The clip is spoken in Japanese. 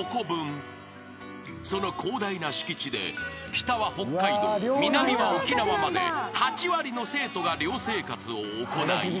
［その広大な敷地で北は北海道南は沖縄まで８割の生徒が寮生活を行い］